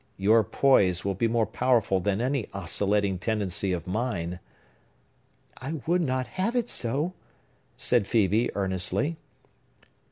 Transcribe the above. Your poise will be more powerful than any oscillating tendency of mine." "I would not have it so!" said Phœbe earnestly.